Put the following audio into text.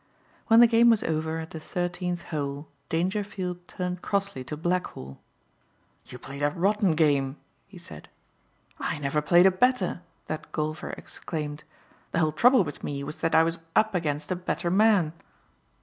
When the game was over at the thirteenth hole Dangerfield turned crossly to Blackhall. "You played a rotten game!" he said. "I never played a better," that golfer exclaimed. "The whole trouble with me was that I was up against a better man."